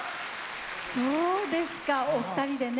そうですかお二人でね。